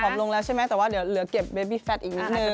ลงแล้วใช่ไหมแต่ว่าเดี๋ยวเหลือเก็บเบบี้แฟทอีกนิดนึง